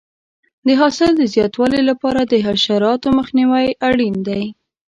د حاصل د زیاتوالي لپاره د حشراتو مخنیوی اړین دی.